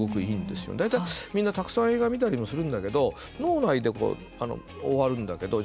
で、みんなたくさん映画見たりもするんだけど脳内で終わるんだけど。